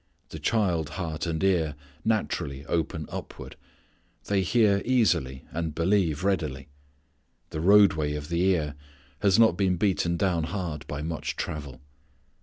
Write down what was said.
The child heart and ear naturally open upward. They hear easily and believe readily. The roadway of the ear has not been beaten down hard by much travel.